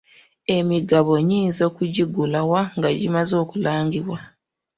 Emigabo nnyinza kugigula wa nga gimaze okulangibwa?